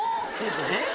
えっ？